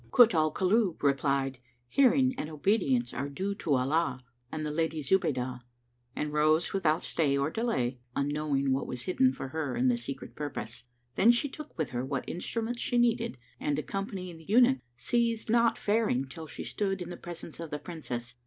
Kut al Kulub replied, "Hearing and obedience are due to Allah and the Lady Zubaydah," and rose without stay or delay, unknowing what was hidden for her in the Secret Purpose. Then she took with her what instruments she needed and, accompanying the eunuch, ceased not fairing till she stood in the presence of the Princess.